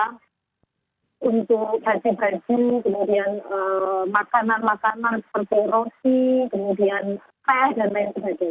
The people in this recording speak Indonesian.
kemudian makanan makanan seperti rosi kemudian teh dan lain lain